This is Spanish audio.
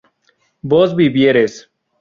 vos vivieres